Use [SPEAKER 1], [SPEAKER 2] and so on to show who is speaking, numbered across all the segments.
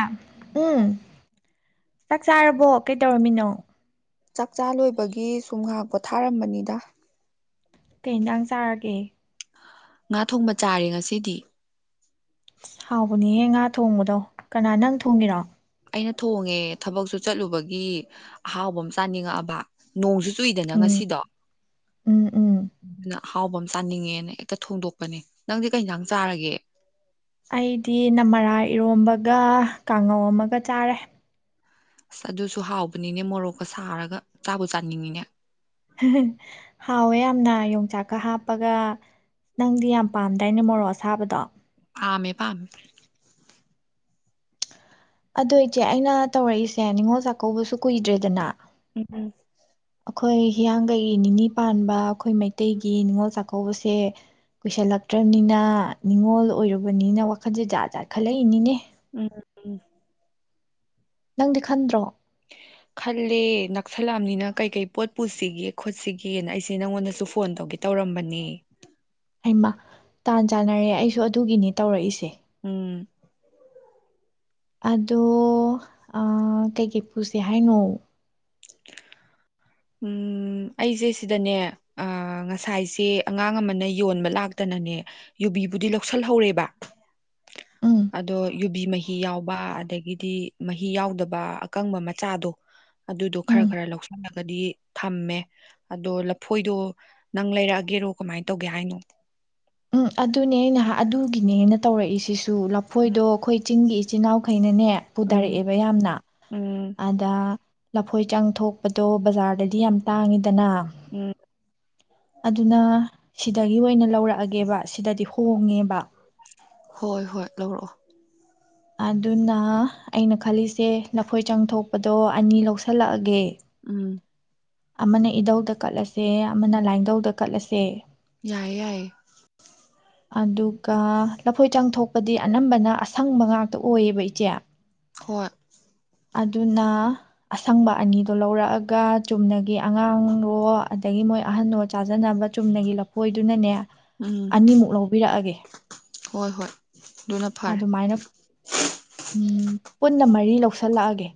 [SPEAKER 1] ꯑ ꯎꯝ
[SPEAKER 2] ꯑꯧ
[SPEAKER 1] ꯆꯥꯛ ꯆꯥꯔꯕꯣ ꯀꯩ ꯇꯧꯔꯃꯤꯅꯣ
[SPEAKER 2] ꯆꯥꯛꯆꯥ ꯂꯣꯏꯕꯒꯤ ꯁꯨꯝꯍꯥꯛ ꯄꯣ ꯊꯥꯔꯝꯕꯅꯤꯗ
[SPEAKER 1] ꯀꯩꯇꯪ ꯆꯥꯔꯒꯦ
[SPEAKER 2] ꯉꯥ ꯊꯣꯡꯕ ꯆꯥꯔꯦ ꯉꯁꯤꯗꯤ
[SPEAKER 1] ꯍꯥꯎꯕꯅꯦꯍꯦ ꯉꯥ ꯊꯣꯡꯕꯗꯣ ꯀꯅꯥ ꯅꯪ ꯊꯣꯡꯒꯤꯔꯣ
[SPEAKER 2] ꯑꯩꯅ ꯊꯣꯡꯉꯦ ꯊꯕꯛꯁꯨ ꯆꯠꯂꯨꯕꯒꯤ ꯑꯍꯥꯎꯕ ꯑꯃ ꯆꯥꯅꯤꯡꯉꯛꯑꯕ ꯅꯣꯡꯁꯨ ꯆꯨꯏꯗꯅ
[SPEAKER 1] ꯎꯝ
[SPEAKER 2] ꯉꯁꯤꯗꯣ
[SPEAKER 1] ꯎꯝ ꯎꯝ
[SPEAKER 2] ꯑꯗꯨꯅ ꯍꯥꯎꯕ ꯑꯃ ꯆꯥꯅꯤꯡꯉꯦꯅ ꯍꯦꯛꯇ ꯊꯣꯡꯗꯣꯛꯄꯅꯦ ꯅꯪꯗꯤ ꯀꯩꯗꯥꯡ ꯆꯥꯔꯒꯦ
[SPEAKER 1] ꯒ ꯀꯥꯡꯉꯧ ꯑꯃꯒ ꯆꯥꯔꯦ
[SPEAKER 2] ꯑꯁ ꯑꯗꯨꯁꯨ ꯍꯥꯎꯕꯅꯤꯅꯦ ꯃꯣꯔꯣꯛꯀ ꯁꯥꯔꯒ ꯆꯥꯕ ꯆꯥꯅꯤꯡꯉꯤꯅꯦ
[SPEAKER 1] ꯁꯨꯝꯅ ꯌꯣꯡꯆꯥꯛꯀ ꯍꯥꯞꯄꯒ ꯅꯪꯗꯤ ꯌꯥꯝ ꯄꯥꯝꯗꯥꯏꯅꯦ ꯃꯣꯔꯣꯛ ꯑꯁꯥꯕꯗꯣ
[SPEAKER 2] ꯑꯃꯦ ꯄꯝ
[SPEAKER 1] ꯑꯗꯨꯣ ꯏꯆꯦ ꯑꯩꯅ ꯇꯧꯔꯛꯏꯁꯦ ꯅꯤꯡꯉꯣꯜ ꯆꯥꯛꯀꯧꯕꯁꯨ ꯀꯨꯏꯗ꯭ꯔꯦꯗꯅ
[SPEAKER 2] ꯎꯝ
[SPEAKER 1] ꯑꯩꯈꯣꯏ ꯍꯤꯌꯥꯡꯒꯩ ꯅꯤꯅꯤ ꯄꯥꯟꯕ ꯑꯩꯈꯣꯏ ꯃꯩꯇꯩꯒꯤ ꯅꯤꯡꯅꯤꯉꯣꯜ ꯆꯥꯛꯀꯧꯕꯁꯦ ꯀꯨꯏꯁꯜꯂꯛꯇ꯭ꯔꯕꯅꯤꯅ ꯅꯤꯡꯅꯤꯉꯣꯜ ꯑꯣꯏꯔꯨꯕꯅꯤꯅ ꯋꯥꯈꯜꯁꯦ ꯖꯥꯠ ꯖꯥꯠ ꯈꯜꯂꯛꯏꯅꯤꯅꯦ
[SPEAKER 2] ꯎꯝ
[SPEAKER 1] ꯅꯪꯗꯤ ꯈꯟꯗ꯭ꯔꯣ
[SPEAKER 2] ꯈꯜꯂꯦ ꯅꯛꯁꯂꯥꯝꯅꯤꯅ ꯀꯩꯀꯩ ꯄꯣꯠ ꯄꯨꯁꯤꯒꯦ ꯈꯣꯠꯁꯤꯒꯦꯅ ꯑꯩꯁꯦ ꯅꯪꯉꯣꯟꯗꯁꯨ ꯐꯣꯟ ꯇꯧꯒꯦ ꯇꯧꯔꯝꯕꯅꯦ
[SPEAKER 1] ꯑꯩꯃ ꯇꯥꯟ ꯆꯥꯟꯅꯔꯦ ꯑꯩꯁꯨ ꯑꯗꯨꯒꯤꯅꯤ ꯇꯧꯔꯛꯏꯁꯦ
[SPEAKER 2] ꯎꯝ
[SPEAKER 1] ꯑꯗꯣ ꯀꯩꯀꯩ ꯄꯨꯁꯤꯦ ꯍꯥꯏꯅꯣ
[SPEAKER 2] ꯑꯩꯁꯦ ꯁꯤꯗꯅꯦ ꯉꯁꯥꯏꯁꯦ ꯑꯉꯥꯡ ꯑꯃꯅ ꯌꯣꯟꯕ ꯂꯥꯛꯇꯅꯅꯦ ꯌꯨꯕꯤꯕꯨꯗꯤ ꯂꯧꯁꯤꯜꯍꯧꯔꯦꯕ
[SPEAKER 1] ꯎꯝ
[SPEAKER 2] ꯑꯗꯣ ꯌꯨꯕꯤ ꯃꯍꯤ ꯌꯥꯎꯕ ꯑꯗꯒꯤꯗꯤ ꯃꯍꯤ ꯌꯥꯎꯗꯕ ꯑꯀꯪꯕ ꯃꯆꯥꯗꯣ ꯑꯗꯨꯗꯣ ꯈꯔ
[SPEAKER 1] ꯎꯝ
[SPEAKER 2] ꯈꯔ ꯂꯧꯁꯜꯂꯒꯗꯤ ꯊꯝꯃꯦ ꯑꯗꯣ ꯂꯐꯣꯏꯗꯣ ꯅꯪ ꯂꯩꯔꯛꯑꯒꯦꯔꯣ ꯀꯃꯥꯏꯅ ꯇꯧꯒꯦ ꯍꯥꯏꯅꯣ
[SPEAKER 1] ꯎꯝ ꯑꯗꯨꯅꯦ ꯑ ꯅꯍ ꯑꯗꯨꯒꯤꯅꯦꯅ ꯇꯧꯔꯛꯏꯁꯤꯁꯨ ꯑꯗꯨ ꯂꯐꯣꯏꯗꯣ ꯑꯩꯈꯣꯏ ꯆꯤꯡꯒꯤ ꯆꯅꯥꯎꯈꯩꯩꯅꯅꯦ
[SPEAKER 2] ꯎꯝ
[SPEAKER 1] ꯄꯨꯊꯔꯛꯑꯦꯕ ꯌꯥꯝꯅ
[SPEAKER 2] ꯎꯝ
[SPEAKER 1] ꯑꯗ ꯂꯐꯣꯏ ꯆꯥꯡ ꯊꯣꯛꯄꯗꯣ ꯕꯖꯥꯔꯗꯗꯤ ꯌꯥꯝ ꯇꯥꯡꯉꯤ ꯗꯅ
[SPEAKER 2] ꯎꯝ
[SPEAKER 1] ꯑꯗꯨꯅ ꯁꯤꯗꯒꯤ ꯑꯣꯏꯅ ꯂꯧꯔꯛꯑꯒꯦꯕ ꯁꯤꯗꯗꯤ ꯍꯣꯡꯉꯦꯕ
[SPEAKER 2] ꯍꯣꯏ ꯍꯣꯏ ꯂꯧꯔꯛꯑꯣ
[SPEAKER 1] ꯑꯗꯨꯅ ꯑꯩꯅ ꯈꯜꯂꯤꯁꯦ ꯂꯐꯣꯏ ꯆꯪꯊꯣꯛꯄꯗꯣ ꯑꯅꯤ ꯂꯧꯁꯤꯜꯂꯛꯑꯒꯦ
[SPEAKER 2] ꯎꯝ
[SPEAKER 1] ꯑꯃꯅ ꯏꯧꯗꯥ ꯀꯠꯂꯁꯦ ꯁꯦ ꯑꯃꯅ
[SPEAKER 2] ꯎꯝ
[SPEAKER 1] ꯂꯥꯏꯅꯤꯡꯊꯧꯗ ꯀꯠꯂꯁꯦ ꯀ [inaudible]
[SPEAKER 2] ꯌꯥꯏꯌꯦ ꯌꯥꯏꯌꯦ
[SPEAKER 1] ꯑꯗꯨꯒ ꯂꯐꯣꯏ ꯆꯪ ꯊꯣꯛꯄꯗꯤ ꯑꯅꯝꯕꯅ ꯑꯁꯪꯕ ꯉꯥꯛ ꯇ ꯑꯣꯏꯌꯦꯕ ꯏꯆꯦ
[SPEAKER 2] ꯍꯣꯏ
[SPEAKER 1] ꯑꯗꯨꯅ ꯑꯁꯪꯕ ꯑꯅꯤꯗꯣ ꯂꯧꯔꯛꯑꯒ ꯆꯨꯝꯅꯒꯤ ꯑꯉꯥꯡꯍꯣ ꯑꯗꯒꯤ ꯃꯣꯏ ꯑꯍꯜꯍꯣ ꯆꯥꯖꯅꯕ ꯆꯨꯝꯅꯒꯤ ꯂꯐꯣꯏꯗꯨꯅꯅꯦ
[SPEAKER 2] ꯎꯝ
[SPEAKER 1] ꯑꯅꯤꯃꯨꯛ ꯂꯧꯕꯤꯔꯛꯑꯒꯦ
[SPEAKER 2] ꯍꯣꯏ ꯍꯣꯏ ꯑꯗꯨꯅ ꯐꯔꯦ
[SPEAKER 1] ꯑꯗꯨꯃꯥꯏꯅ ꯎꯝ ꯄꯨꯟꯅ ꯃꯔꯤ ꯂꯧ ꯁꯜꯂꯛꯑꯒꯦ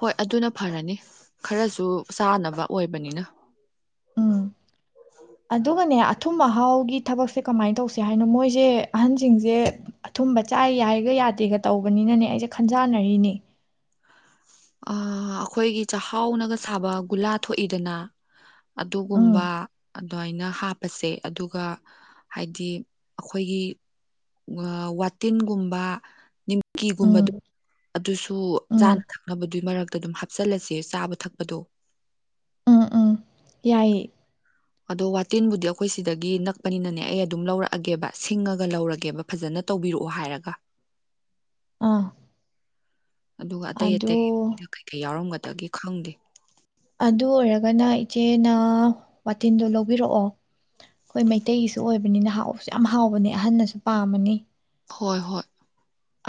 [SPEAKER 2] ꯍꯣꯏ ꯑꯗꯨꯅ ꯐꯔꯅꯤ ꯈꯔꯁꯨ ꯆꯥꯅꯕ ꯑꯣꯏꯕꯅꯤꯅ
[SPEAKER 1] ꯎꯝ ꯑꯗꯨꯒꯅꯦ ꯑꯊꯨꯝ ꯑꯍꯥꯎꯒꯤ ꯊꯕꯛꯁꯦ ꯀꯃꯥꯏꯅ ꯇꯧꯁꯦ ꯍꯥꯏꯅꯣ ꯃꯣꯏꯁꯦ ꯑꯍꯟꯁꯤꯡꯁꯦ ꯑꯊꯨꯝꯕ ꯆꯥꯏ ꯌꯥꯏꯒ ꯌꯥꯗꯦꯒ ꯇꯧꯕꯅꯤꯅꯅꯦ ꯑꯩꯁꯦ ꯈꯟꯖꯥꯟꯅꯔꯤꯅꯦ
[SPEAKER 2] ꯑꯩꯈꯣꯏꯒꯤ ꯆꯥꯛꯍꯥꯎꯅꯒ ꯁꯥꯕ ꯒꯨꯂꯥ ꯊꯣꯛꯏꯗꯅ
[SPEAKER 1] ꯎꯝ
[SPEAKER 2] ꯑꯗꯨꯒꯨꯝꯕ ꯑꯗꯨꯃꯥꯏꯅ ꯍꯥꯞꯄꯁꯦ ꯑꯗꯨꯒ ꯍꯥꯏꯗꯤ ꯑꯩꯈꯣꯏꯒꯤ ꯋꯥꯇꯤꯟꯒꯨꯝꯕ ꯅꯤꯝꯀꯤꯒꯨꯝꯕꯗꯣ
[SPEAKER 1] ꯎꯝ
[SPEAKER 2] ꯑꯗꯨꯁꯨ
[SPEAKER 1] ꯎꯝ
[SPEAKER 2] ꯆꯥꯅ ꯊꯛ ꯊꯛꯅꯕꯗꯨꯏ ꯃꯔꯛꯇ ꯑꯗꯨꯝ ꯍꯥꯞꯆꯤꯜꯂꯁꯦ ꯆꯥꯕ ꯊꯛꯄꯗꯣ
[SPEAKER 1] ꯎꯝ ꯎꯝ ꯌꯥꯏꯌꯦ
[SPEAKER 2] ꯑꯗꯣ ꯋꯥꯇꯤꯟꯕꯨꯗꯤ ꯑꯩꯈꯣꯏ ꯁꯤꯗꯒꯤ ꯅꯛꯄꯅꯤꯅꯅꯦ ꯑꯩ ꯑꯗꯨꯝ ꯂꯧꯔꯛꯑꯒꯦꯕ ꯁꯤꯡꯉꯒ ꯂꯧꯔꯒꯦꯕ ꯐꯖꯅ ꯇꯧꯕꯤꯔꯛꯑꯣ ꯍꯥꯏꯔꯒ
[SPEAKER 1] ꯑꯥ
[SPEAKER 2] ꯑꯗꯨꯒ ꯑꯇꯩ
[SPEAKER 1] ꯑꯗꯨ
[SPEAKER 2] ꯑꯇꯩꯗꯨꯅ ꯀꯩꯀꯩ ꯌꯥꯎꯔꯝꯒꯅꯤ ꯗꯒꯦ ꯈꯪꯗꯦ
[SPEAKER 1] ꯑꯗꯨ ꯑꯣꯏꯔꯒꯅ ꯏꯆꯦꯅ ꯋꯥꯇꯤꯟꯗꯣ ꯂꯧꯕꯤꯔꯛꯑꯣ ꯑꯩꯈꯣꯏ ꯃꯩꯇꯩꯒꯤꯁꯨ ꯑꯣꯏꯕꯅꯤꯅ ꯍꯥꯎꯕꯁꯨ ꯌꯥꯝ ꯍꯥꯎꯕꯅꯦ ꯑꯍꯟꯅꯁꯨ ꯄꯥꯝꯃꯅꯤ
[SPEAKER 2] ꯍꯣꯏ ꯍꯣꯏ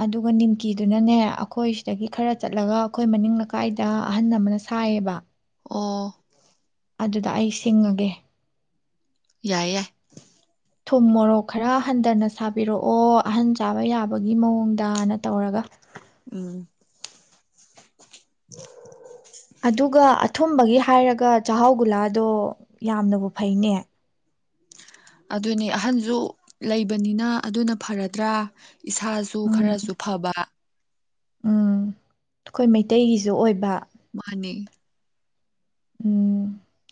[SPEAKER 1] ꯑꯗꯨꯒ ꯅꯤꯝꯀꯤꯗꯨꯅꯅꯦ ꯑꯩꯈꯣꯏ ꯁꯤꯗꯒꯤ ꯈꯔ ꯆꯠꯂꯒ ꯑꯩꯈꯣꯏ ꯃꯅꯤꯡ ꯂꯩꯀꯥꯏꯗ ꯑꯍꯟ ꯑꯃꯅ ꯁꯥꯏꯌꯦꯕ
[SPEAKER 2] ꯑꯣ
[SPEAKER 1] ꯑꯗꯨꯗ ꯑꯩ ꯁꯤꯡꯉꯒꯦ
[SPEAKER 2] ꯌꯥꯏ ꯌꯥꯏ
[SPEAKER 1] ꯊꯨꯝ ꯃꯣꯔꯣꯛ ꯈꯔ ꯍꯟꯊꯅ ꯁꯥꯕꯤꯔꯛꯑꯣ ꯑꯍꯟ ꯆꯥꯕ ꯌꯥꯕꯒꯤ ꯃꯑꯣꯡꯗꯅ ꯇꯧꯔꯒ
[SPEAKER 2] ꯎꯝ
[SPEAKER 1] ꯑꯗꯨꯒ ꯑꯊꯨꯝꯕꯒꯤ ꯍꯥꯏꯔꯒ ꯆꯥꯛꯍꯥꯎ ꯒꯨꯂꯥꯗꯣ ꯌꯥꯝꯅꯕꯨ ꯐꯩꯅꯦ
[SPEAKER 2] ꯑꯗꯨꯅꯦ ꯑꯍꯟꯁꯨ ꯂꯩꯕꯅꯤꯅ ꯑꯗꯨꯅ ꯐꯔꯗ꯭ꯔꯥ ꯏꯁꯥꯁꯨ
[SPEAKER 1] ꯎꯝ
[SPEAKER 2] ꯈꯔꯁꯨ ꯐꯕ
[SPEAKER 1] ꯎꯝ ꯑꯩꯈꯣꯏ ꯃꯩꯇꯩꯒꯤꯁꯨ ꯑꯣꯏꯕ
[SPEAKER 2] ꯃꯥꯟꯅꯦ
[SPEAKER 1] ꯎꯝ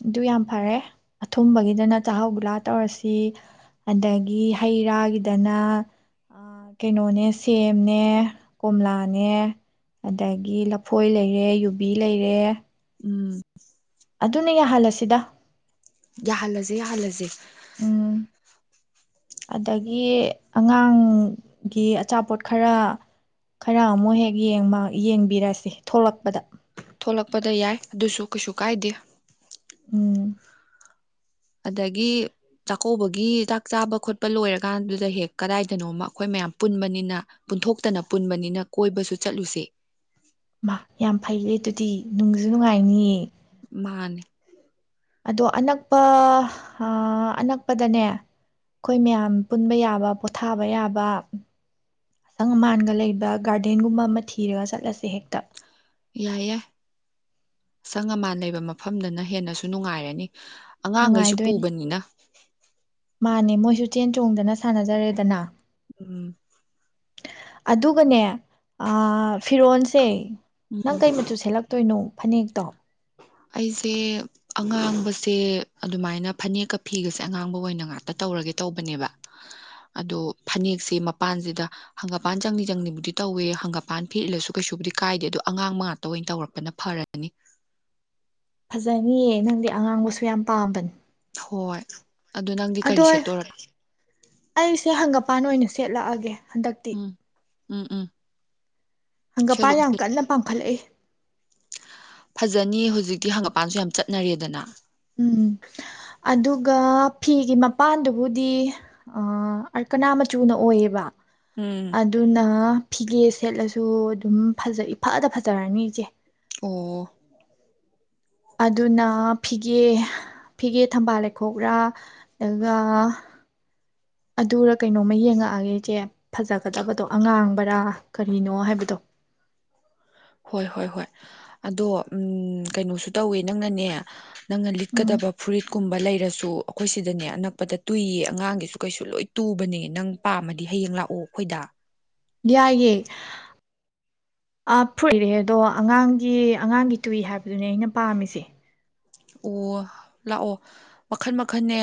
[SPEAKER 1] ꯑꯗꯨ ꯌꯥꯝ ꯐꯔꯦ ꯑꯊꯨꯝꯕꯒꯤꯗꯅ ꯆꯥꯛꯍꯥꯎ ꯒꯨꯂꯥ ꯇꯧꯔꯁꯤ ꯑꯗꯒꯤ ꯍꯩ ꯔꯥꯒꯤꯗꯅ ꯀꯩꯅꯣꯅꯦ ꯁꯦꯝꯅꯦ ꯀꯣꯝꯂꯥꯅꯦ ꯑꯗꯒꯤ ꯂꯐꯣꯏ ꯂꯩꯔꯦ ꯌꯨꯕꯤ ꯂꯩꯔꯦ
[SPEAKER 2] ꯎꯝ
[SPEAKER 1] ꯑꯗꯨꯅ ꯌꯥꯍꯜꯂꯁꯤꯗ
[SPEAKER 2] ꯌꯥꯍꯜꯂꯁꯦ ꯌꯥꯍꯜꯂꯁꯦ
[SPEAKER 1] ꯎꯝ ꯑꯗꯒꯤ ꯑꯉꯥꯡ ꯒꯤ ꯑꯆꯥꯄꯣꯠ ꯈꯔ ꯈꯔ ꯑꯃꯨꯛ ꯍꯦꯛ ꯌꯦꯡꯕ ꯌꯦꯡꯕꯤꯔꯁꯤ ꯊꯣꯛꯂꯛꯄꯗ
[SPEAKER 2] ꯊꯣꯛꯂꯛꯄꯗ ꯌꯥꯏ ꯑꯗꯨꯁꯨ ꯀꯩꯁꯨ ꯀꯥꯏꯗꯦ
[SPEAKER 1] ꯎꯝ
[SPEAKER 2] ꯑꯗꯒꯤ ꯆꯥꯛꯀꯧꯕꯒꯤ ꯆꯥꯛ ꯆꯥꯕ ꯈꯣꯠꯄ ꯂꯣꯏꯔꯀꯥꯟꯗꯨꯗ ꯍꯦꯛ ꯀꯗꯥꯏꯗꯅꯣꯃ ꯑꯩꯈꯣꯏ ꯃꯌꯥꯝ ꯄꯨꯟꯕꯅꯤꯅ ꯄꯨꯟꯊꯣꯛꯇꯅ ꯄꯨꯟꯕꯅꯤꯅ ꯀꯣꯏꯕꯁꯨ ꯆꯠꯂꯨꯁꯦ
[SPEAKER 1] ꯃꯥ ꯌꯥꯝ ꯐꯩꯌꯦ ꯑꯗꯨꯗꯤ ꯅꯨꯡꯁꯨ ꯅꯨꯡꯉꯥꯏꯅꯤꯌꯦ
[SPEAKER 2] ꯃꯥꯅꯤ
[SPEAKER 1] ꯑꯗꯣ ꯑꯅꯛꯄ ꯑ ꯑꯅꯛꯄꯗꯅꯦ ꯑꯈꯣꯏ ꯃꯌꯥꯝ ꯄꯨꯟꯕ ꯌꯥꯕ ꯄꯣꯊꯥꯕ ꯌꯥꯕ ꯑꯁꯪ ꯑꯃꯥꯟꯒ ꯂꯩꯕ ꯒꯥꯔꯗꯦꯟꯒꯨꯝꯕ ꯑꯃ ꯊꯤꯔꯒ ꯆꯠꯂꯁꯦ ꯍꯦꯛꯇ
[SPEAKER 2] ꯌꯥꯏ ꯌꯥꯏ ꯁꯪ ꯑꯃꯥꯟ ꯂꯩꯕ ꯃꯐꯝꯗꯅ ꯍꯦꯟꯅꯁꯨ ꯅꯨꯡꯉꯥꯏꯔꯅꯤ ꯑꯉꯥꯡꯈꯩꯁꯨ
[SPEAKER 1] ꯅꯨꯡꯉꯥꯏꯗꯣꯏꯅꯦ
[SPEAKER 2] ꯄꯨꯕꯅꯤꯅ
[SPEAKER 1] ꯃꯥꯅꯦ ꯃꯣꯏꯁꯨ ꯆꯦꯟ ꯆꯣꯡꯗꯅ ꯁꯥꯟꯅꯖꯔꯦꯗꯅ
[SPEAKER 2] ꯎꯝ
[SPEAKER 1] ꯑꯗꯨꯒꯅꯦ ꯑ ꯐꯤꯔꯣꯟꯁꯦ
[SPEAKER 2] ꯎꯝ
[SPEAKER 1] ꯅꯪ ꯀꯩ ꯃꯆꯨ ꯁꯦꯠꯂꯛꯇꯣꯏꯅꯣ ꯐꯅꯦꯛꯇꯣ
[SPEAKER 2] ꯑꯩꯁꯦ ꯑꯉꯥꯡꯕꯁꯦ ꯑꯗꯨꯃꯥꯏꯅ ꯐꯅꯦꯛꯀ ꯐꯤꯒꯁꯦ ꯑꯉꯥꯡꯕ ꯑꯣꯏꯅ ꯉꯥꯛꯇ ꯇꯧꯔꯒꯦ ꯇꯧꯕꯅꯦꯕ ꯑꯗꯣ ꯐꯅꯦꯛꯁꯦ ꯃꯄꯥꯟꯁꯤꯗ ꯍꯪꯒꯄꯥꯟ ꯆꯪꯂꯤ ꯆꯪꯂꯤꯕꯨꯗꯤ ꯇꯧꯋꯦ ꯍꯪꯒꯄꯥꯟ ꯐꯤ ꯏꯜꯂꯁꯨ ꯀꯩꯁꯨꯕꯨꯗꯤ ꯀꯥꯏꯗꯦ ꯑꯗꯣ ꯑꯉꯥꯡꯕ ꯉꯥꯛꯇ ꯑꯣꯏꯅ ꯇꯧꯔꯛꯄꯅ ꯐꯔꯅꯤ
[SPEAKER 1] ꯐꯖꯅꯤꯌꯦ ꯅꯪꯗꯤ ꯑꯉꯥꯡꯕꯁꯨ ꯌꯥꯝ ꯄꯥꯝꯕꯅꯤ
[SPEAKER 2] ꯍꯣꯏ ꯑꯗꯨ ꯅꯪꯗꯤ
[SPEAKER 1] ꯑꯗꯣ
[SPEAKER 2] ꯀꯔꯤ ꯁꯦꯠꯇꯣꯔꯕ
[SPEAKER 1] ꯑꯩꯁꯦ ꯍꯪꯒꯝ ꯄꯥꯟ ꯑꯣꯏꯅ ꯁꯦꯠꯂꯛꯑꯒꯦ ꯍꯟꯗꯛꯇꯤ
[SPEAKER 2] ꯎꯝ ꯎꯝ ꯎꯝ
[SPEAKER 1] ꯍꯪꯒꯝꯄꯥꯟ ꯌꯥꯝ ꯀꯟꯅ ꯄꯥꯝꯈꯠꯂꯛꯏ
[SPEAKER 2] ꯐꯖꯅꯤꯌꯦ ꯍꯧꯖꯤꯛꯇꯤ ꯍꯪꯒꯝꯄꯥꯟꯁꯨ ꯌꯥꯝ ꯆꯠꯅꯔꯦꯗꯅ
[SPEAKER 1] ꯎꯝ ꯑꯗꯨꯒ ꯐꯤꯒꯤ ꯃꯄꯥꯟꯗꯨꯕꯨꯗꯤ ꯑ ꯑꯜꯀꯅꯥ ꯃꯆꯨꯅ ꯑꯣꯏꯌꯦꯕ
[SPEAKER 2] ꯎꯝ
[SPEAKER 1] ꯑꯗꯨꯅ ꯐꯤꯒꯦ ꯁꯦꯠꯂꯁꯨ ꯑꯗꯨꯝ ꯐꯖꯩ ꯏꯐꯗ ꯐꯖꯔꯅꯤ ꯏꯆꯦ
[SPEAKER 2] ꯑꯣ
[SPEAKER 1] ꯑꯗꯨꯅ ꯐꯤꯒꯦ ꯐꯤꯒꯦ ꯊꯝꯕꯥꯜ ꯂꯩꯈꯣꯛꯔꯥ ꯑꯗꯨꯒ ꯑꯗꯨꯔ ꯀꯩꯅꯣꯝꯃ ꯌꯦꯡꯉꯛꯑꯒꯦ ꯏꯆꯦ ꯐꯖꯒꯗꯕꯗꯣ ꯑꯉꯥꯡꯕꯔꯥ ꯀꯔꯤꯅꯣ ꯍꯥꯏꯕꯗꯣ
[SPEAKER 2] ꯍꯣꯏ ꯍꯣꯏ ꯍꯣꯏ ꯑꯗꯣ ꯎꯝ ꯀꯩꯅꯣꯁꯨ ꯇꯧꯋꯦ ꯅꯪꯅꯅꯦ ꯅꯪꯅ
[SPEAKER 1] ꯎꯝ
[SPEAKER 2] ꯂꯤꯠꯀꯗꯕ ꯐꯨꯔꯤꯠ ꯀꯨꯝꯕ ꯂꯩꯔꯁꯨ ꯑꯩꯈꯣꯏ ꯁꯤꯗꯅꯦ ꯑꯅꯛꯄꯗ ꯇꯨꯏꯌꯦ ꯑꯉꯥꯡꯒꯤꯁꯨ ꯀꯩꯁꯨ ꯂꯣꯏ ꯇꯨꯕꯅꯦ ꯅꯪ ꯄꯥꯝꯃꯗꯤ ꯍꯌꯦꯡ ꯂꯥꯛꯑꯣ ꯑꯩꯈꯣꯏꯗ
[SPEAKER 1] ꯌꯥꯏꯌꯦ ꯑ ꯐꯨꯔꯤ ꯑꯗꯣ ꯑꯉꯥꯡꯒꯤ ꯑꯉꯥꯡꯒꯤ ꯇꯨꯏ ꯍꯥꯏꯕꯗꯨꯅꯦ ꯑꯩꯅ ꯄꯥꯝꯃꯤꯁꯦ
[SPEAKER 2] ꯑꯣ ꯂꯥꯛꯑꯣ ꯃꯈꯟ ꯃꯈꯟꯅꯦ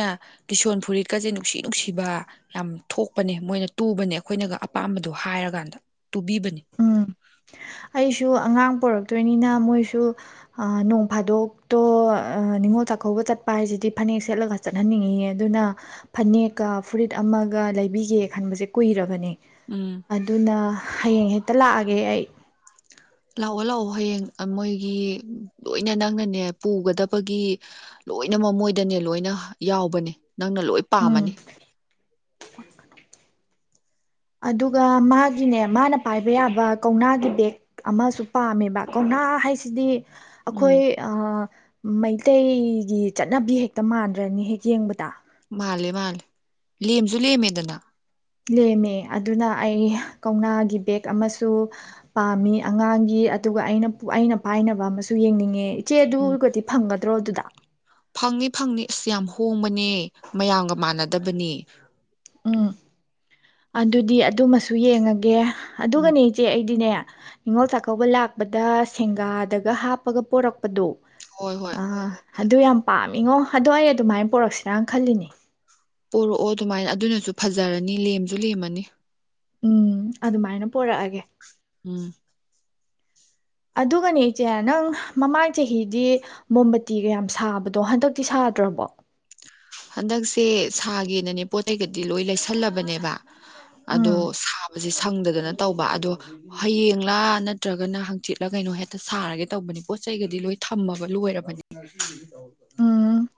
[SPEAKER 2] ꯀꯤꯁꯣꯟ ꯐꯨꯔꯤꯠꯀꯁꯦ ꯅꯨꯡꯁꯤ ꯅꯨꯡꯁꯤꯕ ꯌꯥꯝ ꯊꯣꯛꯄꯅꯦ ꯃꯣꯏꯅ ꯇꯨꯕꯅꯦ ꯑꯩꯈꯣꯏꯅꯒ ꯑꯄꯥꯝꯕꯗꯣ ꯍꯥꯏꯔꯀꯥꯟꯗ ꯇꯨꯕꯤꯕꯅꯦ
[SPEAKER 1] ꯁꯨ ꯑꯉꯥꯡ ꯄꯣꯔꯛꯇꯣꯏꯅꯤꯅ ꯃꯣꯏꯁꯨ ꯑ ꯅꯣꯡ ꯐꯥꯗꯣꯛꯇꯣ ꯅꯤꯉꯣꯜ ꯆꯥꯛꯀꯧꯕ ꯆꯠꯄ ꯍꯥꯏꯁꯤꯗꯤ ꯐꯅꯦꯛ ꯁꯦꯠꯂꯒ ꯆꯠꯍꯟꯅꯤꯡꯉꯤꯌꯦ ꯑꯗꯨꯅ ꯐꯅꯦꯛꯀ ꯐꯨꯔꯤꯠ ꯑꯃꯒ ꯂꯩꯕꯤꯒꯦ ꯈꯟꯕꯁꯦ ꯀꯨꯏꯔꯕꯅꯦ
[SPEAKER 2] ꯎꯝ
[SPEAKER 1] ꯑꯗꯨꯅ ꯍꯌꯦꯡ ꯍꯦ ꯍꯛꯇ ꯂꯥꯛꯑꯒꯦ ꯑꯩ
[SPEAKER 2] ꯂꯥꯛꯑꯣ ꯂꯥꯛꯑꯣ ꯍꯌꯦꯡ ꯃꯣꯏꯒꯤ ꯂꯣꯏꯅ ꯅꯪꯅꯅꯦ ꯄꯨꯒꯗꯕꯒꯤ ꯂꯣꯏꯅꯃꯛ ꯃꯣꯏꯗꯅꯦ ꯂꯣꯏꯅ ꯌꯥꯎꯕꯅꯦ ꯅꯪꯅ ꯂꯣꯏ
[SPEAKER 1] ꯎꯝ
[SPEAKER 2] ꯄꯥꯝꯃꯅꯤ
[SPEAKER 1] ꯑꯗꯨꯒ ꯃꯥꯒꯤꯅꯦ ꯃꯥꯅ ꯄꯥꯏꯕ ꯌꯥꯕ ꯀꯧꯅꯥꯒꯤ ꯕꯦꯦꯛ ꯑꯃꯁꯨ ꯄꯥꯝꯃꯦꯕ ꯀꯧꯅꯥ ꯍꯥꯏꯁꯤꯗꯤ ꯑꯩꯈꯣꯏ
[SPEAKER 2] ꯎꯝ
[SPEAKER 1] ꯑ ꯃꯩꯇꯩꯒꯤ ꯆꯠꯅꯕꯤ ꯍꯦꯛꯇ ꯃꯥꯟꯗ꯭ꯔꯅꯤ ꯍꯦꯛ ꯌꯦꯡꯕꯗ
[SPEAKER 2] ꯃꯥꯜꯂꯦ ꯃꯥꯂꯦ ꯂꯦꯝꯁꯨ ꯂꯦꯝꯃꯦꯗꯅ
[SPEAKER 1] ꯂꯦꯝꯃꯦ ꯑꯗꯨꯅ ꯑꯩ ꯀꯧꯅꯥꯒꯤ ꯕꯦꯦꯛ ꯑꯃꯁꯨ ꯄꯥꯝꯃꯤ ꯑꯉꯥꯡꯒꯤ ꯑꯗꯨꯒ ꯑꯩꯅ ꯑꯩꯅ ꯄꯥꯏꯅꯕ ꯑꯃꯁꯨ ꯌꯦꯡꯅꯤꯡꯉꯦ ꯏ
[SPEAKER 2] ꯎꯝ
[SPEAKER 1] ꯆꯦꯗꯨꯔꯒꯗꯤ ꯐꯪꯒꯗ꯭ꯔꯣ ꯑꯗꯨꯗ
[SPEAKER 2] ꯐꯪꯅꯤ ꯐꯪꯅꯤ ꯑꯁ ꯌꯥꯝ ꯍꯣꯡꯕꯅꯦ ꯃꯌꯥꯝꯒ ꯃꯥꯟꯅꯗꯕꯅꯤ
[SPEAKER 1] ꯎꯝ ꯑꯗꯨꯗꯤ ꯑꯗꯨꯃꯁꯨ ꯌꯦꯡꯉꯒꯦ
[SPEAKER 2] ꯎꯝ
[SPEAKER 1] ꯑꯗꯨꯒꯅꯦ ꯏꯆꯦ ꯑꯩꯗꯤꯅꯦ ꯅꯤꯉꯣꯜ ꯆꯥꯛꯀꯧꯕ ꯂꯥꯛꯄꯗ ꯁꯦꯡꯒꯥꯗꯒ ꯍꯥꯞꯄꯒ ꯄꯣꯔꯛꯄꯗꯣ
[SPEAKER 2] ꯍꯣꯏ ꯍꯣꯏ
[SPEAKER 1] ꯑ ꯑꯗꯨ ꯌꯥꯝ ꯄꯥꯝꯃꯤꯉꯣ ꯑꯗꯣ ꯑꯩ ꯑꯗꯨꯃꯥꯏꯅ ꯄꯔꯛꯁꯤꯔꯥꯅ ꯈꯜꯂꯤꯅꯦ
[SPEAKER 2] ꯄꯣꯔꯛꯑꯣ ꯑꯗꯨꯃꯥꯏꯅ ꯑꯗꯨꯅꯁꯨ ꯐꯖꯔꯅꯤ ꯂꯦꯝꯁꯨ ꯂꯦꯝꯃꯅꯤ
[SPEAKER 1] ꯎꯝ ꯑꯗꯨꯃꯥꯏꯅ ꯄꯔꯛꯑꯒꯦ
[SPEAKER 2] ꯎꯝ
[SPEAKER 1] ꯑꯗꯨꯒꯅꯦ ꯏꯆꯦ ꯅꯪ ꯃꯃꯥꯡ ꯆꯍꯤꯗꯤ ꯃꯣꯝꯕꯇꯤꯒ ꯌꯥꯝ ꯁꯥꯕꯗꯣ ꯍꯟꯗꯛꯇꯤ ꯁꯥꯗ꯭ꯔꯕꯣ
[SPEAKER 2] ꯍꯟꯗꯛꯁꯦ ꯁꯥꯒꯦꯅꯅꯦ ꯄꯣꯠ ꯆꯩꯩꯒꯗꯤ ꯂꯣꯏ ꯂꯩꯁꯜꯂꯕꯅꯦꯕ ꯑꯗꯣ
[SPEAKER 1] ꯎꯝ
[SPEAKER 2] ꯁꯤ ꯁꯪꯗꯗꯅ ꯇꯧꯕ ꯑꯗꯣ ꯍꯌꯦꯡꯂꯥ ꯅꯠꯇ꯭ꯔꯒꯅ ꯍꯪꯆꯤꯠꯂꯥ ꯀꯩꯅꯣ ꯍꯦꯛꯇ ꯁꯥꯔꯒꯦ ꯇꯧꯕꯅꯤ ꯄꯣꯠ ꯆꯩꯩꯒꯗꯤ ꯂꯣꯏ ꯊꯝꯃꯕ ꯂꯣꯏꯔꯕꯅꯤ
[SPEAKER 1] ꯎꯝ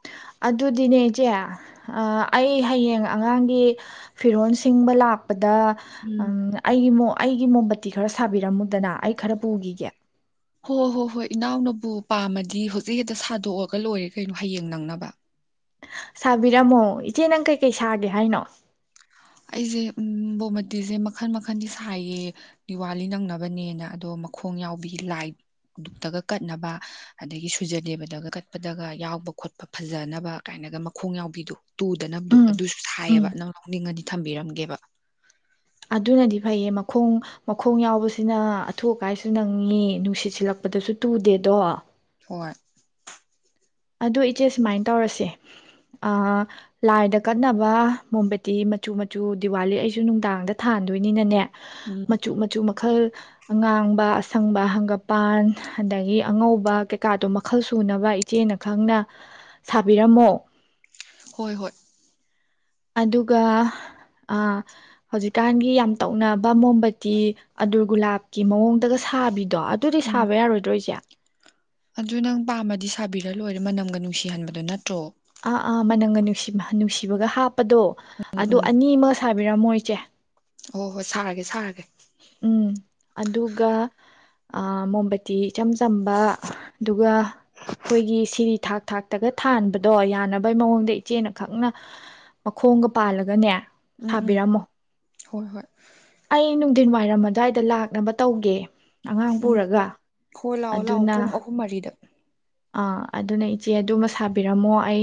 [SPEAKER 1] ꯑꯗꯨꯗꯤꯅꯦ ꯏꯆꯦ ꯑꯩ ꯍꯌꯦꯡ ꯑꯉꯥꯡꯒꯤ ꯐꯤꯔꯣꯜ ꯁꯤꯡꯕ ꯂꯥꯛ ꯗ
[SPEAKER 2] ꯎꯝ
[SPEAKER 1] ꯑꯩꯒꯤ ꯃꯣ ꯑꯩꯒꯤ ꯃꯣꯝꯝꯕꯇꯤ ꯈꯔ ꯁꯥꯕꯤꯔꯝꯃꯨ ꯗꯅ ꯑꯩ ꯈꯔ ꯄꯨꯈꯤꯒꯦ
[SPEAKER 2] ꯍꯣ ꯍꯣ ꯍꯣꯏ ꯏꯅꯥꯎꯅꯕꯨ ꯄꯥꯝꯃꯗꯤ ꯍꯧꯖꯤꯛ ꯍꯦꯛꯇ ꯁꯥꯗꯣꯛꯑꯒ ꯂꯣꯏꯔꯦ ꯀꯩꯅꯣ ꯍꯌꯦꯡ ꯅꯪꯅꯕ
[SPEAKER 1] ꯁꯥꯕꯤꯔꯝꯃꯣ ꯏꯆꯦ ꯅꯪ ꯀꯩꯀꯩ ꯁꯥꯒꯦ ꯍꯥꯏꯅꯣ
[SPEAKER 2] ꯑꯩꯁꯦ ꯕꯣꯃꯇꯤꯁꯦ ꯃꯈꯜ ꯃꯈꯟꯗꯤ ꯁꯥꯏꯌꯦ ꯗꯤꯋꯥꯂꯤ ꯅꯪꯅꯕꯅꯦꯅ ꯑꯗꯣ ꯃꯈꯣꯡ ꯌꯥꯎꯕꯤ ꯂꯥꯏꯛꯇꯒ ꯀꯠꯅꯕ ꯑꯗꯒꯤ ꯁꯨꯖꯗꯦꯕꯗꯒ ꯀꯠꯄꯗꯒ ꯌꯥꯎꯕ ꯈꯣꯠꯄ ꯐꯖꯅꯕ ꯀꯥꯏꯅꯒ ꯃꯈꯣꯡ ꯌꯥꯎꯕꯤꯗꯣ ꯇꯨꯗꯅꯕꯗꯣ
[SPEAKER 1] ꯎꯝ
[SPEAKER 2] ꯑꯗꯨꯁꯨ
[SPEAKER 1] ꯎꯝ
[SPEAKER 2] ꯁꯥꯏꯌꯦꯕ ꯅꯪꯅ ꯂꯧꯥꯎꯅꯤꯡꯉꯗꯤ ꯊꯝꯕꯤꯔꯝꯒꯦꯕ
[SPEAKER 1] ꯑꯗꯨꯅꯗꯤ ꯐꯩꯌꯦ ꯃꯈꯣꯡ ꯃꯈꯣꯡ ꯌꯥꯎꯕꯁꯤꯅ ꯑꯊꯨ ꯑꯀꯥꯏꯁꯨ ꯅꯪꯉꯤ ꯅꯨꯡꯁꯤꯠ ꯁꯤꯜꯂꯛꯄꯗꯁꯨ ꯇꯨꯗꯦꯗꯣ
[SPEAKER 2] ꯊꯣꯏ
[SPEAKER 1] ꯑꯗꯣ ꯏꯆꯦ ꯁꯨꯃꯥꯏꯅ ꯇꯧꯔꯁꯦ ꯂꯥꯏꯗ ꯀꯠꯅꯕ ꯃꯣꯝꯕꯦꯇꯤ ꯃꯆꯨ ꯃꯆꯨ ꯗꯤꯋꯥꯂꯤ ꯑꯩꯁꯨ ꯅꯨꯡꯗꯥꯡꯗ ꯊꯥꯟꯗꯣꯏꯅꯤꯅꯅꯦ
[SPEAKER 2] ꯎꯝ
[SPEAKER 1] ꯃꯆꯨ ꯃꯆꯨ ꯃ ꯃꯈꯜ ꯑꯉꯥꯡꯕ ꯑꯁꯪꯕ ꯍꯪꯒꯄꯥꯟ ꯑꯗꯒꯤ ꯑꯉꯧꯕ ꯀꯩꯀꯥꯗꯣ ꯃꯈꯜ ꯁꯨꯅꯕ ꯏꯆꯦꯅ ꯈꯪꯅ ꯁꯥꯕꯤꯔꯝꯃꯣ
[SPEAKER 2] ꯍꯣꯏ ꯍꯣꯏ
[SPEAKER 1] ꯑꯗꯨꯒ ꯍꯧꯖꯤꯛꯀꯥꯟꯒꯤ ꯌꯥꯝ ꯇꯧꯅꯕ ꯃꯣꯝꯕꯇꯤ ꯑꯗꯨꯗꯨꯔ ꯒꯨꯂꯥꯞꯀꯤ ꯃꯑꯣꯡꯗꯒ ꯁꯥꯕꯤꯗ ꯑꯣ ꯑꯗꯨꯗꯤ
[SPEAKER 2] ꯎꯝ
[SPEAKER 1] ꯁꯥꯕ ꯌꯥꯔꯣꯏꯗ꯭ꯔꯣꯏꯁꯦ
[SPEAKER 2] ꯑꯗꯨ ꯅꯪ ꯄꯥꯝꯃꯗꯤ ꯁꯥꯕꯤꯔ ꯂꯣꯏꯔꯦ ꯃꯅꯝꯒ ꯅꯨꯡꯁꯤꯍꯟꯕꯗꯨꯣ ꯅꯠꯇ꯭ꯔꯣ
[SPEAKER 1] ꯑꯥ ꯑꯥ ꯃꯅꯝꯒ ꯅꯨꯡꯁꯤ ꯅꯨꯡꯁꯤꯕꯒ ꯍꯥꯞ ꯄꯗꯣ ꯑꯗꯨ ꯑꯅꯤ ꯑꯃꯒ ꯁꯥꯕꯤꯔꯝꯃꯣ ꯏ ꯆ‌ꯦ
[SPEAKER 2] ꯑꯣ ꯍꯣꯏ ꯁꯥꯔꯒꯦ ꯁꯥꯔꯒꯦ
[SPEAKER 1] ꯎꯝ ꯑꯗꯨꯒ ꯃꯣꯝꯕꯇꯤ ꯏꯆꯝ ꯆꯝꯕ ꯑꯗꯨꯒ ꯑꯩꯈꯣꯏꯒꯤ ꯁꯤꯔꯤ ꯊꯥꯛ ꯊꯥꯛꯇꯒ ꯊꯥꯟꯕꯗꯣ ꯌꯥꯅꯕꯩ ꯃꯑꯣꯡꯗ ꯏꯆꯦꯅ ꯈꯪꯅ ꯃꯈꯣꯡꯒ ꯄꯥꯜꯂꯒꯅꯦ
[SPEAKER 2] ꯎꯝ ꯎꯝ
[SPEAKER 1] ꯁꯥꯕꯤꯔꯝꯃꯣ
[SPEAKER 2] ꯍꯣꯏ ꯍꯣꯏ
[SPEAKER 1] ꯑꯩꯅꯨꯡ ꯋꯥꯏꯔꯝ ꯑꯗꯨꯋꯥꯏꯗ ꯂꯥꯛꯅꯕ ꯇꯧꯒꯦ ꯑꯉꯥꯡ
[SPEAKER 2] ꯎꯝ
[SPEAKER 1] ꯄꯨꯔꯒ
[SPEAKER 2] ꯍꯣ ꯂꯥꯛꯑꯣ ꯂꯥꯛꯑꯣ
[SPEAKER 1] ꯑꯗꯨꯅ
[SPEAKER 2] ꯄꯨꯡ ꯑꯍꯨꯝ ꯃꯔꯤꯗ
[SPEAKER 1] ꯑꯥ ꯑꯗꯨꯅ ꯏꯆꯦ ꯑꯗꯨꯃ ꯁꯥꯕꯤꯔꯝꯃꯣ ꯑꯩ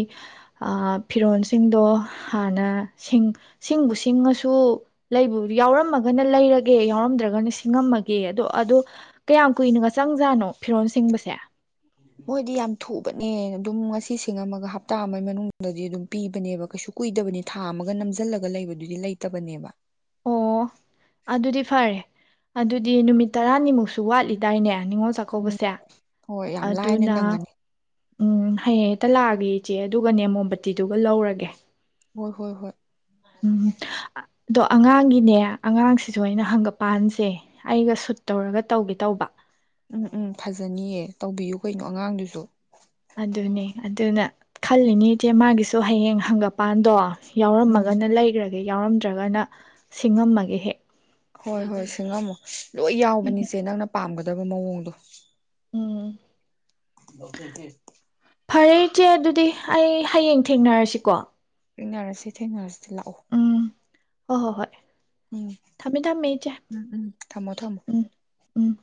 [SPEAKER 1] ꯐꯤꯔꯣꯜꯁꯤꯡꯗꯣ ꯍꯥꯟꯅ ꯁꯤꯡ ꯁꯤꯡꯕꯨ ꯁꯤꯡꯉꯁꯨ ꯂꯩꯕꯨ ꯌꯥꯎꯔꯝꯃꯒꯅ ꯂꯩꯔꯒꯦ ꯌꯥꯎꯔꯝꯗ꯭ꯔꯒꯅ ꯁꯤꯡꯉꯝꯃꯒꯦ ꯑꯗꯣ ꯑꯗꯣ ꯀꯌꯥꯝ ꯀꯨꯏꯅꯒ ꯆꯪꯖꯥꯠꯅꯣ ꯐꯤꯔꯣꯜ ꯁꯤꯡꯕꯁꯦ
[SPEAKER 2] ꯈ‌ꯣꯏꯗꯤ ꯌꯥꯝ ꯊꯨꯕꯅꯦ ꯑꯗꯨꯝ ꯉꯁꯤ ꯁꯤꯡꯉꯝꯒ ꯍꯞꯇꯥ ꯑꯃꯒꯤ ꯃꯅꯨꯡꯗꯗꯤ ꯑꯗꯨꯝ ꯄꯤꯕꯅꯦꯕ ꯀꯩꯁꯨ ꯀꯨꯏꯗꯕꯅꯤ ꯊꯥ ꯑꯃꯒ ꯅꯝꯁꯤꯜꯂꯒ ꯂꯩꯕꯗꯨꯗꯤ ꯂꯩꯇꯕꯅꯦꯕ
[SPEAKER 1] ꯑꯣ ꯑꯗꯨꯗꯤ ꯐꯔꯦ ꯑꯗꯨꯗꯤ ꯅꯨꯃꯤꯠ ꯇꯔꯥꯅꯤꯃꯨꯛꯁꯨ ꯋꯥꯠꯂꯤꯗꯥꯏꯅꯦ ꯅꯤꯉꯣꯜ
[SPEAKER 2] ꯎꯝ
[SPEAKER 1] ꯆꯥꯛꯀꯧꯕꯁꯦ
[SPEAKER 2] ꯍꯣꯏ ꯌꯥꯝ ꯂꯥꯏꯅ
[SPEAKER 1] ꯑꯗꯨꯅ
[SPEAKER 2] ꯅꯪꯉꯅꯤ
[SPEAKER 1] ꯎꯝ ꯍꯌꯦꯡ ꯍꯦꯛꯇ ꯂꯥꯛꯑꯒꯦ ꯏꯆꯦ ꯑꯗꯨꯒ ꯅꯦ ꯃꯣꯝꯕꯇꯤꯗꯨꯒ ꯂꯧꯔꯒꯦ
[SPEAKER 2] ꯍꯣꯏ ꯍꯣꯏ ꯍꯣꯏ
[SPEAKER 1] ꯎꯝ ꯑꯗꯣ ꯑꯉꯥꯡꯒꯤꯅꯦ ꯑꯉꯥꯡꯁꯤꯁꯨ ꯑꯩꯅ ꯍꯪꯒꯄꯥꯟꯁꯦ ꯑꯩꯒ ꯁꯨꯠ ꯇꯧꯔꯒ ꯇꯧꯒꯦ ꯇꯧꯕ
[SPEAKER 2] ꯎꯝ ꯎꯝ ꯐꯖꯅꯤꯌꯦ ꯇꯧꯕꯤꯌꯨ ꯀꯩꯅꯣ ꯑꯉꯥꯡꯗꯨꯁꯨ
[SPEAKER 1] ꯑꯗꯨꯅꯦ ꯑꯗꯨꯅ ꯈꯜꯂꯤꯅꯤ ꯏꯆꯦ ꯃꯥꯒꯤꯁꯨ ꯍꯌꯦꯡ ꯍꯪꯒꯞ ꯃꯄꯥꯟꯗꯣ
[SPEAKER 2] ꯎꯝ
[SPEAKER 1] ꯌꯥꯎꯔꯝꯃꯒꯅ ꯂꯩꯈ꯭ꯔꯒꯦ ꯌꯥꯎꯔꯝꯗ꯭ꯔꯒꯅ ꯁꯤꯡꯉꯝꯃꯒꯦ ꯍꯦꯛ
[SPEAKER 2] ꯍꯣꯏ ꯍꯣꯏ ꯁꯤꯡꯉꯝꯃꯨ ꯂꯣꯏ ꯌꯥꯎꯕꯅꯤꯁꯦ ꯅꯪꯅ ꯄꯥꯝꯒꯗ ꯗꯕ ꯃ‌ꯑꯣꯡꯗꯣ
[SPEAKER 1] ꯎꯝ
[SPEAKER 2] [unintelligible]
[SPEAKER 1] ꯐꯔꯦ ꯏꯆꯦ ꯑꯗꯨꯗꯤ ꯑꯩ ꯍꯌꯦꯡ ꯊꯦꯡꯅꯔꯁꯤꯀꯣ
[SPEAKER 2] ꯊꯦꯡꯅꯔꯁꯤ ꯊꯦꯡꯅꯔꯁꯤ ꯁꯤ ꯂꯥꯛꯑꯣ
[SPEAKER 1] ꯍ ꯍꯣ ꯍꯣꯏ
[SPEAKER 2] ꯎꯝ
[SPEAKER 1] ꯊꯝꯃꯦ ꯊꯝꯃꯦ ꯏꯆꯦ
[SPEAKER 2] ꯎꯝ ꯎꯝ ꯊꯝꯃꯣ ꯊꯝꯃꯣ
[SPEAKER 1] ꯎꯝ ꯎꯝ